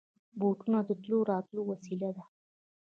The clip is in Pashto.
بوټونه د تلو راتلو وسېله ده.